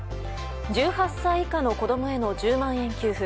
１８歳以下の子供への１０万円給付。